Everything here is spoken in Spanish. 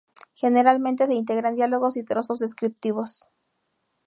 Generalmente se integran diálogos y trozos descriptivos.